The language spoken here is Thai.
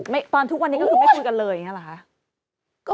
ตอนทุกวันนี้ก็คือไม่คุยกันเลยอย่างนี้เหรอคะ